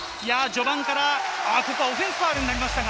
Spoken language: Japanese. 序盤からここはオフェンスファウルになりました。